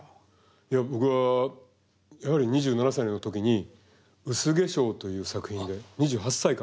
いや僕はやはり２７歳の時に「薄化粧」という作品で２８歳か。